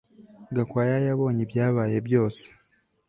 Gakwaya yabonye ibyabaye byose